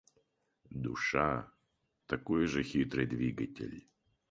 Душа – такой же хитрый двигатель.